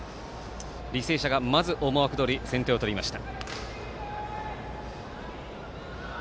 履正社が思惑どおり先手を取りました。